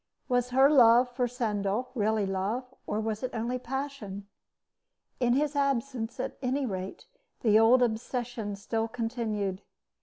Was her love for Sandeau really love, or was it only passion? In his absence, at any rate, the old obsession still continued.